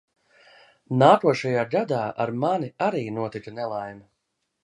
Nākošajā gadā ar mani arī notika nelaime.